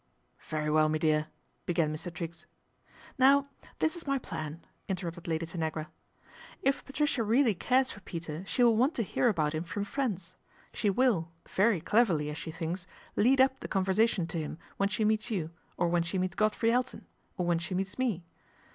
" Very well, me dear," began Mr. Triggs. " Now this is my plan," interrupted Lady Tanagra. " If Patricia really cares for Peter she will want to hear about him from friends. She will, very cleverly, as she thinks, lead up the con versation to him when she meets you, or when she meets Godfrey Elton, or when she meets me.